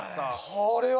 これは。